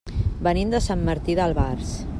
Venim de Sant Martí d'Albars.